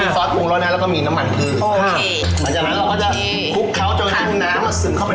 หลังจากนั้นเราก็จะพลุกเขาที่อย่างน้ำสึงเข้าไปในตัวหมุด